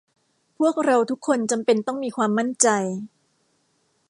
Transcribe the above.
พวกเราทุกคนจำเป็นต้องมีความมั่นใจ